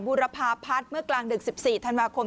บุรพาพัฒน์เมื่อกลางดึก๑๔ธันวาคม